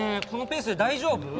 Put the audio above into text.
このペースで大丈夫？